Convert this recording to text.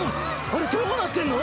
あれどうなってんの？